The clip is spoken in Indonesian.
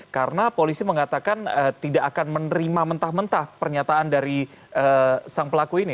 karena polisi mengatakan tidak akan menerima mentah mentah pernyataan dari sang pelaku ini